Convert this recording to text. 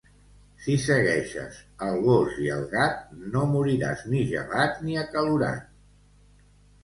Si segueixes al gos i al gat, no moriràs ni gelat ni acalorat.